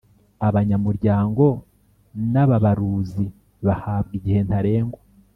abanyamuryango n Ababaruzi bahabwa igihe ntarengwa